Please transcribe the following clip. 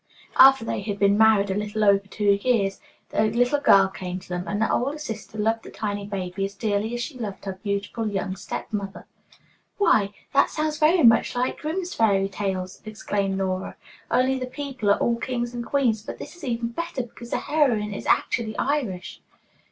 "After they had been married a little over two years, a little girl came to them, and the older sister loved the tiny baby as dearly as she loved her beautiful, young step mother." "Why, that sounds very much like Grimm's fairy tales!" exclaimed Nora. "Only the book people are all kings and queens, but this is even better because the heroine is actually Irish."